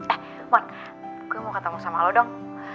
eh gue mau ketemu sama lo dong